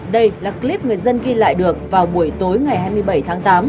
đây là clip người dân ghi lại được vào buổi tối ngày hai mươi bảy tháng tám